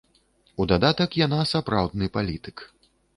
У дадатак, яна сапраўдны палітык.